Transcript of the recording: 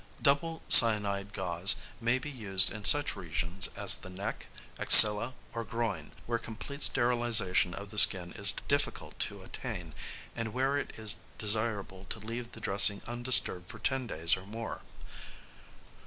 Double cyanide gauze may be used in such regions as the neck, axilla, or groin, where complete sterilisation of the skin is difficult to attain, and where it is desirable to leave the dressing undisturbed for ten days or more.